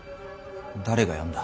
誰が呼んだ。